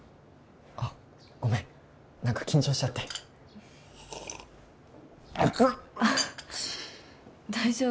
あっごめん何か緊張しちゃって熱っ大丈夫？